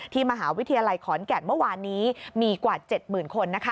มหาวิทยาลัยขอนแก่นเมื่อวานนี้มีกว่า๗๐๐คน